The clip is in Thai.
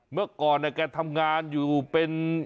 เมื่อก่อนแกทำงานอยู่เป็น